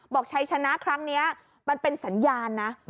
ชัยชนะครั้งนี้มันเป็นสัญญาณนะ